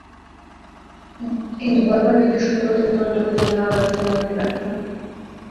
কিন্তু বারবার নির্দেশ সত্ত্বেও তিনি তদন্ত প্রতিবেদন আদালতে জমা দিতে ব্যর্থ হন।